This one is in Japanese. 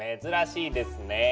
珍しいですね。